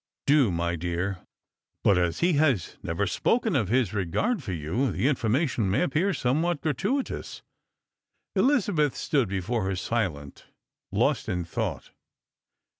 " Do, my dear. But as he has never spoken of his regard for you, the information may appear somewhat gratuitous." Elizabeth stood before her silent, lost in thought.